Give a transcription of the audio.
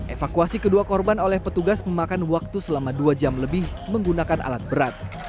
evakuasi kedua korban oleh petugas memakan waktu selama dua jam lebih menggunakan alat berat